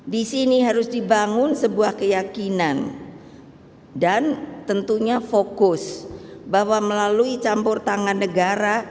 di sini harus dibangun sebuah keyakinan dan tentunya fokus bahwa melalui campur tangan negara